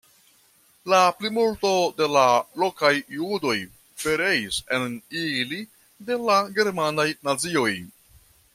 La plimulto de la lokaj judoj pereis en ili de la germanaj nazioj.